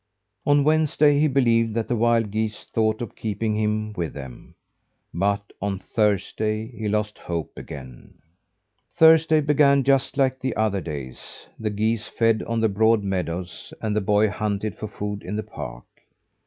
On Wednesday he believed that the wild geese thought of keeping him with them; but on Thursday he lost hope again. Thursday began just like the other days; the geese fed on the broad meadows, and the boy hunted for food in the park.